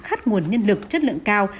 khắc nguồn nhân lực chất lượng cao